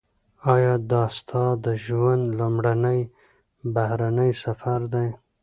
ایا دا ستا د ژوند لومړنی بهرنی سفر دی؟